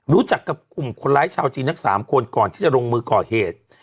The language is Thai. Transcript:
รู้จักกับกลุ่มคนร้ายชาวจีนทั้ง๓คนก่อนที่จะลงมือก่อเหตุ